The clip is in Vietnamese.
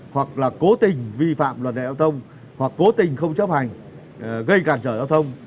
hoặc là cố tình vi phạm luật đại tông hoặc cố tình không chấp hành gây cản trở giao thông